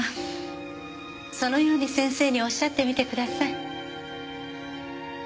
そのように先生におっしゃってみてください。